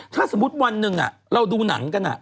ถ้าสมมุติวันหนึ่งเราดูหนังกัน